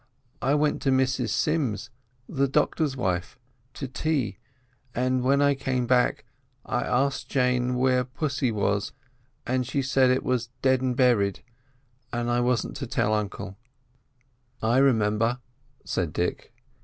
I went to Mrs Sims, the doctor's wife, to tea; and when I came back I asked Jane where pussy was—and she said it was deadn' berried, but I wasn't to tell uncle." "I remember," said Dick.